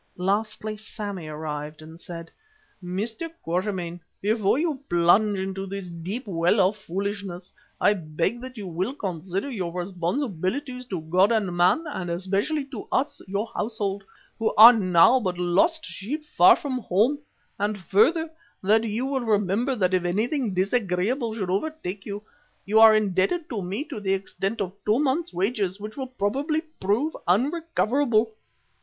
Lastly Sammy arrived and said: "Mr. Quatermain, before you plunge into this deep well of foolishness, I beg that you will consider your responsibilities to God and man, and especially to us, your household, who are now but lost sheep far from home, and further, that you will remember that if anything disagreeable should overtake you, you are indebted to me to the extent of two months' wages which will probably prove unrecoverable."